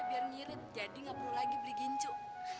biar ngirit jadi gak perlu lagi beli gencu